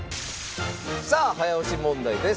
さあ早押し問題です。